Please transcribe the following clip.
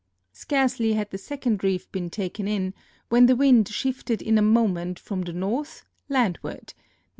Scarcely had the second reef been taken in when the wind shifted in a moment from the north landward (N.N.